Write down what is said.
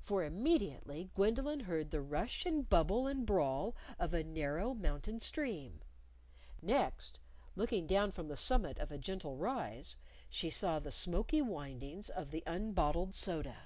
For immediately Gwendolyn heard the rush and bubble and brawl of a narrow mountain stream. Next, looking down from the summit of a gentle rise, she saw the smoky windings of the unbottled soda!